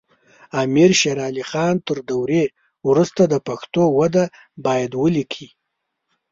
امیر شیر علی خان تر دورې وروسته د پښتو وده باید ولیکي.